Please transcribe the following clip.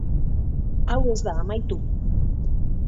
Hau ez da amaitu.